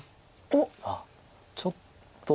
あっちょっと。